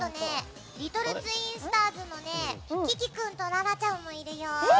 リトルツインスターズのキキ君とララちゃんもいるよ。